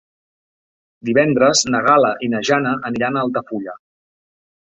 Divendres na Gal·la i na Jana aniran a Altafulla.